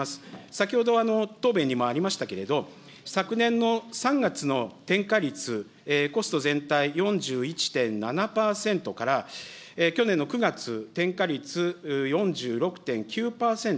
先ほど、答弁にもありましたけれど、昨年の３月の転嫁率、コスト全体４１．７％から、去年の９月、転嫁率４６．９％。